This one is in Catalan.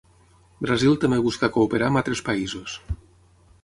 Brasil també busca cooperar amb altres països.